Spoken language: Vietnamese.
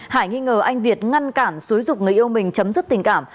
hải nghi ngờ anh việt ngăn cản xúi dục người yêu mình chấm dứt tình cảm